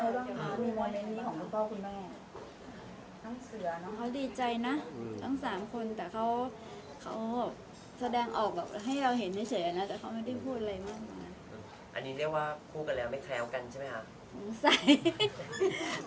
อันนี้เรียกว่าพูดกันแล้วไม่แคล้วกันใช่ไหมครับ